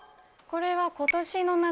これは今年の夏